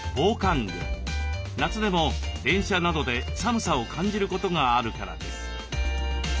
夏でも電車などで寒さを感じることがあるからです。